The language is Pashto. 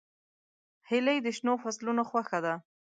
هیلۍ د شنو فصلونو خوښه ده